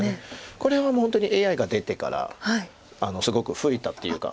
これは本当にＡＩが出てからすごく増えたっていうか。